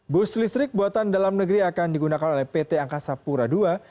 bus listrik buatan dalam negeri akan digunakan oleh pt angkasa pura ii